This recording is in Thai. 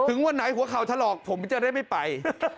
วันไหนหัวเข่าถลอกผมจะได้ไม่ไป